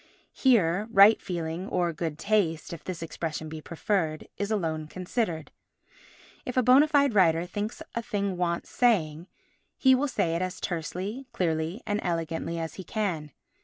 Here, right feeling—or good taste, if this expression be preferred—is alone considered. If a bona fide writer thinks a thing wants saying, he will say it as tersely, clearly and elegantly as he can.